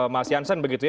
mas jansen begitu ya